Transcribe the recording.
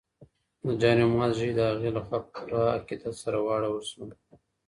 د جاینماز ژۍ د هغې لخوا په پوره عقیدت سره ورواړول شوه.